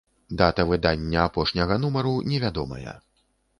Дата выдання апошняга нумару невядомая.